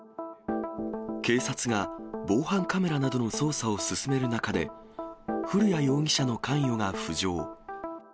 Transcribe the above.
警察が、防犯カメラなどの捜査を進める中で、古谷容疑者の関与が浮上。